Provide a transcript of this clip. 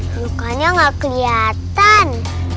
lukanya gak keliatan